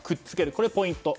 これがポイントです。